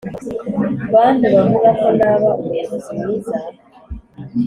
bantu bavuga ko naba umuyobozi mwiza